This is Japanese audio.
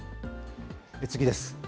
次です。